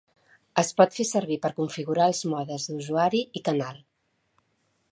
Es pot fer servir per configurar els modes d'usuari i canal.